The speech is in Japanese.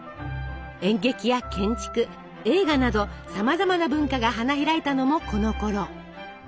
演劇や建築映画などさまざまな文化が花開いたのもこのころ。